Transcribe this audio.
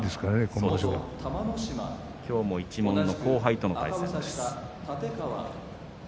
今日も一門の後輩との対戦です。